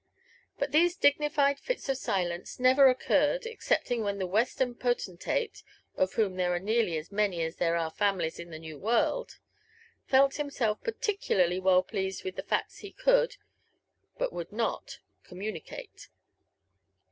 But these dignified fits of silence never occurred, excepting when the Western potentate (of whom there are nearly as many as there are fa milies in the New World) felt himself particularly well pleased with the facts he could, but would not, communicate.